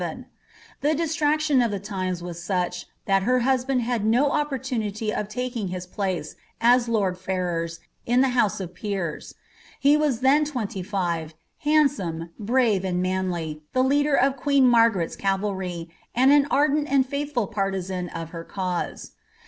The distraction of the times was such, that her husband had no opportunity of taking his place, as lord Ferrers, in the house of Era.' He was then twenty five, handsome, brave, and manly, the ler of queen Margaret's cavalry, a(id an ardent and faithful partisan of her cause.